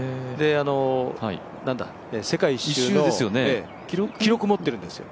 世界一周の記録持っているんですよ。